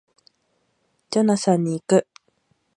ジョナサンに行く